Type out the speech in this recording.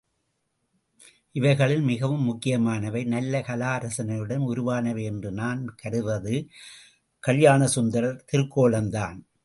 இவைகளில் மிகவும் முக்கியமானவை, நல்ல கலாரசனையுடன் உருவானவை என்று நான் கருதுவது கல்யாணசுந்தரர் திருக்கோலம்தான்.